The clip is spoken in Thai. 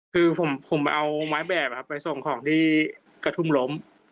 คือผมเอาไม้แบบไปส่งของที่กระทุ่มล้ม